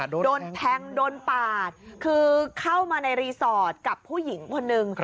โดนแทงโดนปาดคือเข้ามาในรีสอร์ทกับผู้หญิงคนนึง